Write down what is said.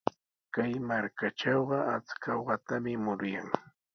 Kay markatrawqa achka uqatami muruyan.